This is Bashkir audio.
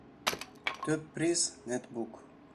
Төп приз — нетбук.